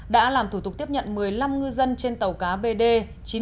đã làm thủ tục tiếp nhận một mươi năm ngư dân trên tàu cá bdn